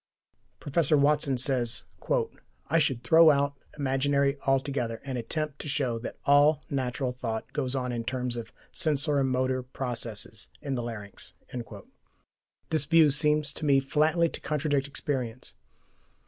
Professor Watson says: "I should throw out imagery altogether and attempt to show that all natural thought goes on in terms of sensori motor processes in the larynx." This view seems to me flatly to contradict experience.